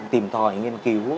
tìm thòi nghiên cứu